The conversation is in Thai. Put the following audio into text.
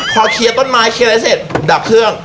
พอเคลียร์ต้นไม้เคลียร์อะไรเสร็จดับเครื่อง